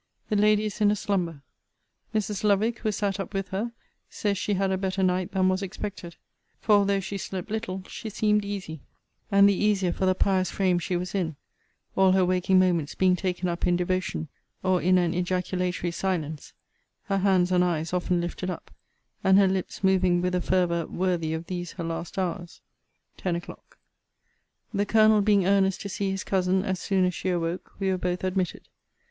The lady is in a slumber. Mrs. Lovick, who sat up with her, says she had a better night than was expected; for although she slept little, she seemed easy; and the easier for the pious frame she was in; all her waking moments being taken up in devotion, or in an ejaculatory silence; her hands and eyes often lifted up, and her lips moving with a fervour worthy of these her last hours. TEN O'CLOCK. The Colonel being earnest to see his cousin as soon as she awoke, we were both admitted.